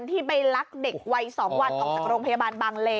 ที่ไปลักเด็กวัย๒วันออกจากโรงพยาบาลบางเล